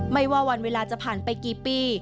ไม่ว่าวันเวลาจะผ่านไปกี่ปี